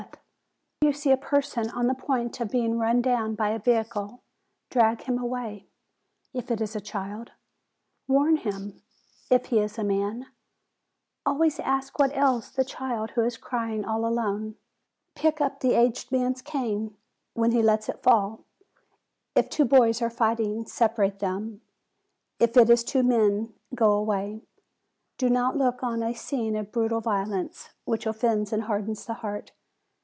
Whenever you see a per son on the point of being run down by a vehicle, drag him away, if it is a child; warn him, if he is a man; always ask what ails the child who is crying all alone; pick up the aged man's cane, when he lets it fall. If two boys are fighting, separate them; if it is two men, go away : do not look on a scene of brutal violence, which offends and hardens the heart.